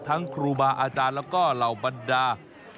ครูบาอาจารย์แล้วก็เหล่าบรรดา